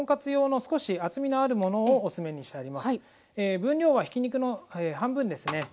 分量はひき肉の半分ですね。